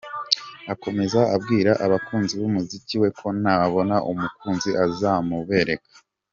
Akomeza abwira abakunzi b’umuziki we ko nabona umukunzi azamubereka.